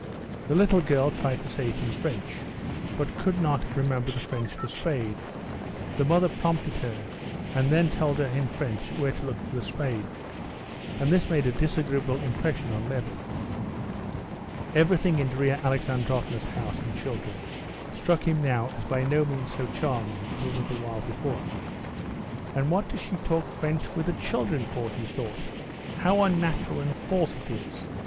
The little girl tried to say it in French, but could not remember the French for spade; the mother prompted her, and then told her in French where to look for the spade. And this made a disagreeable impression on Levin. Everything in Darya Alexandrovna's house and children struck him now as by no means so charming as a little while before. "And what does she talk French with the children for?" he thought; "how unnatural and false it is!